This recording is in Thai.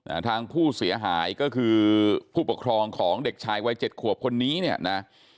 ทางผู้เสียหายก็คือผู้ปกครองของเด็กชายวัยเจ็ดขวบคนนี้เนี่ยนะ